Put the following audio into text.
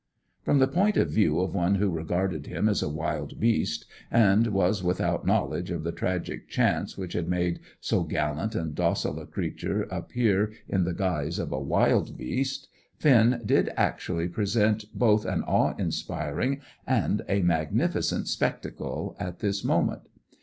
From the point of view of one who regarded him as a wild beast, and was without knowledge of the tragic chance which had made so gallant and docile a creature appear in the guise of a wild beast, Finn did actually present both an awe inspiring and a magnificent spectacle at this moment.